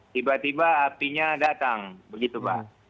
tiba tiba apinya datang begitu pak